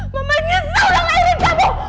mama nyesel dengan air cambu